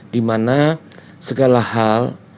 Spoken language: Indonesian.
dimana segala hal